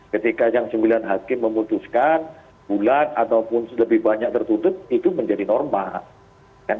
ketika yang sembilan hakim memutuskan bulat ataupun lebih banyak tertutup itu menjadi normal